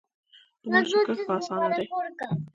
د ماشو کښت اسانه دی.